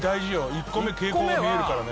１個目傾向が見えるからね。